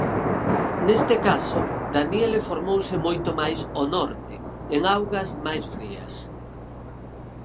Neste caso, Danielle formouse moito máis ao norte, en augas máis frías.